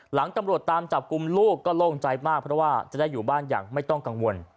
ตำรวจตามจับกลุ่มลูกก็โล่งใจมากเพราะว่าจะได้อยู่บ้านอย่างไม่ต้องกังวล